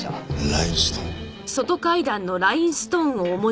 ラインストーン。